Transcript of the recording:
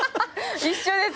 一緒です